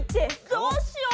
どうしよう。